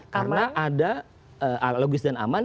karena ada logis dan aman